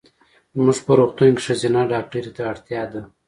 زمونږ په روغتون کې ښځېنه ډاکټري ته اړتیا ده.